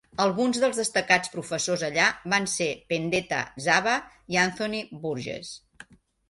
Alguns dels destacats professors allà van ser Pendeta Za'Ba i Anthony Burgess.